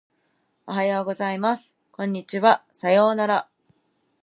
おはようございます。こんにちは。さようなら。